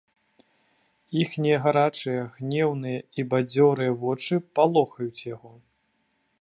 Іхнія гарачыя, гнеўныя і бадзёрыя вочы палохаюць яго.